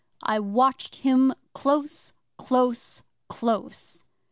I watched him close close close!